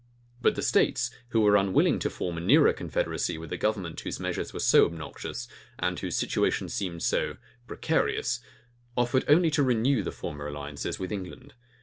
[*] But the states, who were unwilling to form a nearer confederacy with a government whose measures were so obnoxious, and whose situation seemed so precarious, offered only to renew the former alliances with England.